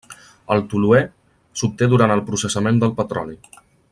El toluè s'obté durant el processament del petroli.